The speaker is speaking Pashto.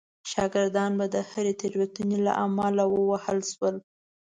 شاګردان به د هرې تېروتنې له امله ووهل شول.